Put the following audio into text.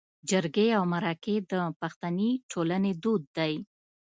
جرګې او مرکې د پښتني ټولنې دود دی